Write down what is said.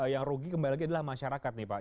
yang rugi kembali lagi adalah masyarakat nih pak